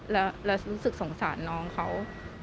แล้วรู้สึกสงสารน้องเขา